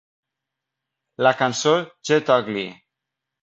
La cançó Get Ugly!